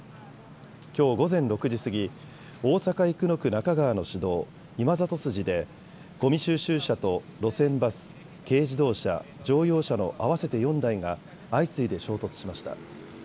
きょう午前６時過ぎ、大阪生野区中川の市道、今里筋でごみ収集車と路線バス、軽自動車、乗用車の合わせて４台が相次いで衝突しました。